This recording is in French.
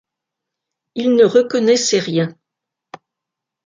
Il ne reconnaissait rien.